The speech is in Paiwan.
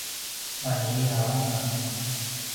maljia anga